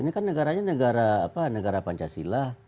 ini kan negaranya negara apa negara pancasila